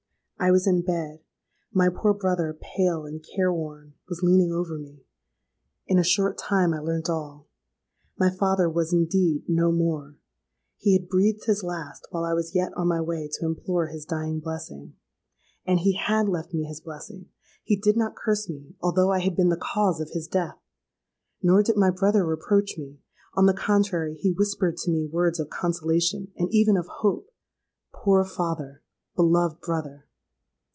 I was in bed: my poor brother—pale and care worn—was leaning over me. In a short time I learnt all. My father was indeed no more. He had breathed his last while I was yet on my way to implore his dying blessing. And he had left me his blessing—he did not curse me, although I had been the cause of his death! Nor did my brother reproach me: on the contrary, he whispered to me words of consolation, and even of hope! Poor father—beloved brother!